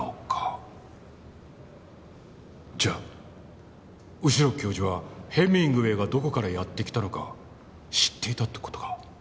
じゃあ後宮教授はヘミングウェイがどこからやって来たのか知っていたって事か。